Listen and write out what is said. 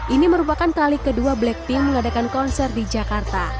ini merupakan kali kedua blackpink mengadakan konser di jakarta